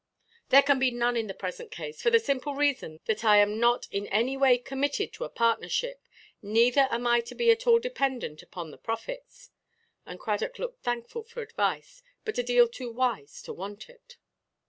"There can be none in the present case, for the simple reason that I am not in any way committed to a partnership, neither am I to be at all dependent upon the profits." And Cradock looked thankful for advice, but a deal too wise to want it.